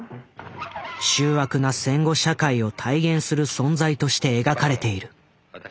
醜悪な戦後社会を体現する存在として描かれている。